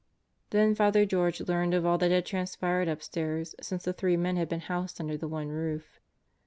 Then Father George learned of all that had transpired upstairs since the three men had been housed under the one roof.